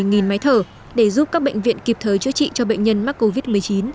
chúng tôi sẽ giữ chữ số máy thở để giúp các bệnh viện kịp thời chữa cho bệnh nhân mắc covid một mươi chín